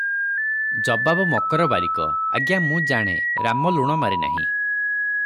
ଜବାବ ମକର ବାରିକ - ଆଜ୍ଞା ମୁଁ ଜାଣେ, ରାମ ଲୁଣ ମାରି ନାହିଁ ।